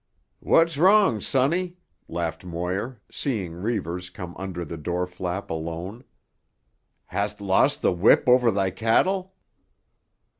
"What's wrong, sonny?" laughed Moir, seeing Reivers come under the door flap alone. "Hast lost the whip over thy cattle?"